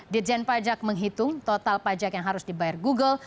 ditjen pajak menghitung total pajak yang harus dibayar google